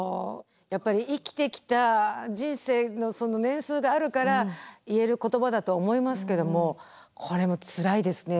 やっぱり生きてきた人生の年数があるから言える言葉だと思いますけどもこれつらいですね。